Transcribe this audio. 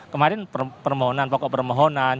kemarin permohonan pokok permohonan